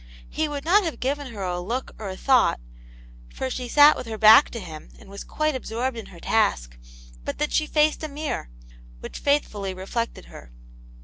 He wbiild not have given her a look or a thought, for she sat with her back to him and was quite absorbed in her task, but that she faced a mirror, which faith fully reflected her.